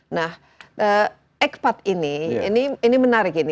nah ekpat ini ini menarik ini